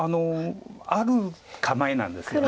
ある構えなんですか。